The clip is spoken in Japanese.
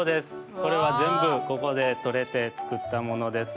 これはぜんぶここでとれてつくったものです。